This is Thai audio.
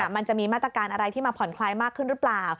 มันจะมีมาตรการอะไรที่มาผ่อนคลายมากขึ้นหรือเปล่า